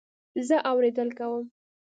زه اورېدل کوم